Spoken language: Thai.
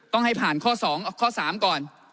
ต้องให้ผ่านข้อสองข้อสามก่อน